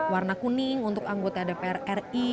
warna kuning untuk anggota dpr ri